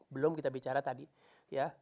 belum kita bicara tadi ya